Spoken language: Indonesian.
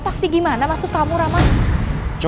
sakti gimana maksud kamu raman